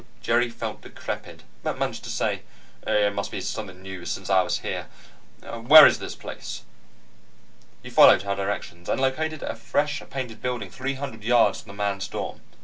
Jerry felt decrepit, but managed to say: "It must be something new since I was here. Where is this place?" He followed her directions, and located a fresh painted building three hundred yards from the men's dorm.